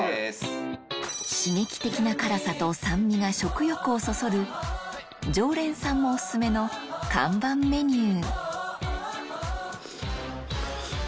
刺激的な辛さと酸味が食欲をそそる常連さんもオススメの看板メニュー